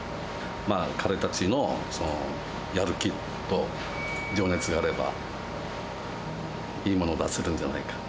彼たちのやる気と情熱があれば、いいもの出せるんじゃないか。